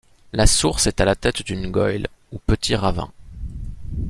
La source est à la tête d'une goyle ou petit ravin.